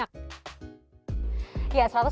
masakan asam pedas ikan tapah